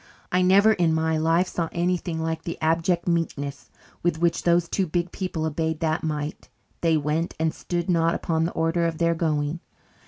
I never, in all my life, saw anything like the abject meekness with which those two big people obeyed that mite. They went, and stood not upon the order of their going.